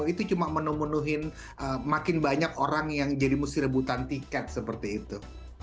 itu cuma menemunuhin makin banyak orang yang jadi musti rebutan tiket seperti itu